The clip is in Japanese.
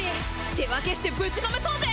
手分けしてぶちのめそうぜ！